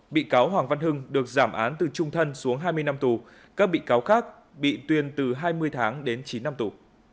bị cáo hoàng văn hưng được giảm án từ trung thân xuống hai mươi năm tù các bị cáo khác bị tuyên từ hai mươi tháng đến chín năm tù